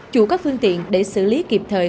chủ các phương tiện để xử lý kịp thời